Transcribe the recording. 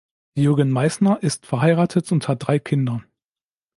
Jürgen Meißner ist verheiratet und hat drei Kinder.